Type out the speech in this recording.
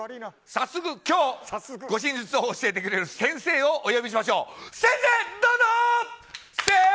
早速今日、護身術を教えてくださる先生をお呼びしましょう先生どうぞー！